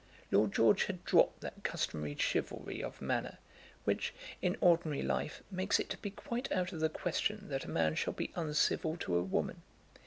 Lord George had dropped that customary chivalry of manner which, in ordinary life, makes it to be quite out of the question that a man shall be uncivil to a woman.